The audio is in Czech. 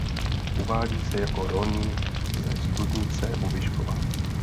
Uvádí se jako rolník ze Studnice u Vyškova.